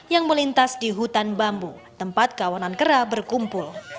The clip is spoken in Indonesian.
yang melintas di hutan bambu tempat kawanan kera berkumpul